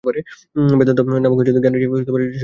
বেদান্ত নামক জ্ঞানরাশি ঋষিগণ কর্তৃক আবিষ্কৃত।